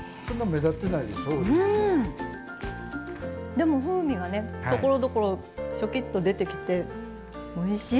でも風味がねところどころショキッと出てきておいしいですね。